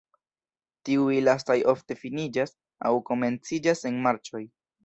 Tiuj lastaj ofte finiĝas aŭ komenciĝas en marĉoj.